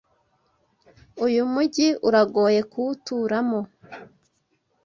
Uyu mujyi uragoye kuwuturamo.